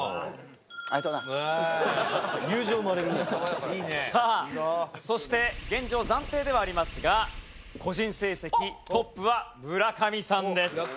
さあそして現状暫定ではありますが個人成績トップは村上さんです。